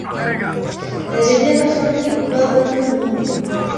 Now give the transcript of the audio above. د جګړې برخلیک به بدلون مومي.